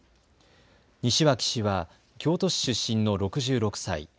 西脇氏は京都市出身の６６歳。